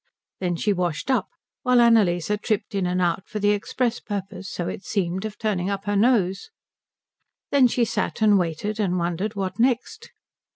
Then she washed up, while Annalise tripped in and out for the express purpose, so it seemed, of turning up her nose; then she sat and waited and wondered what next.